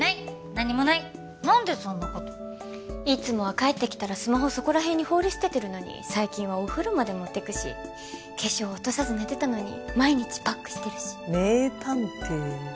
何もない何でそんなこといつもは帰ってきたらスマホそこら辺に放り捨ててるのに最近はお風呂まで持ってくし化粧落とさず寝てたのに毎日パックしてるし名探偵